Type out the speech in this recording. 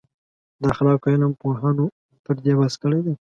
د اخلاقو علم پوهانو پر دې بحث کړی دی.